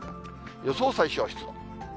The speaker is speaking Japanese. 予想最小湿度。